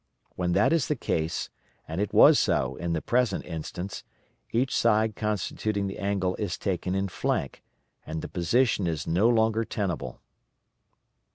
When that is the case, and it was so in the present instance each side constituting the angle is taken in flank, and the position is no longer tenable.